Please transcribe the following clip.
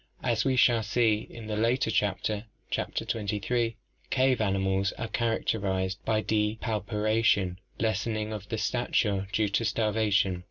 As we shall see in a later chapter (Chapter XXIII), cave animals are characterized by depauperation, lessening of stature due to starva tion.